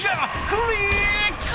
クリック！